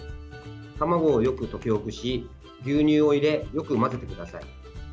卵をよく溶きほぐし牛乳を入れ、よく混ぜてください。